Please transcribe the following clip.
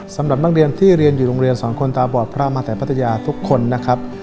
สำหรับนักเรียนที่เรียนอยู่โรงเรียนสองคนตาบอดพระมาแต่พัทยาทุกคนนะครับ